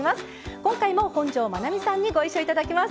今回も本上まなみさんにご一緒頂きます。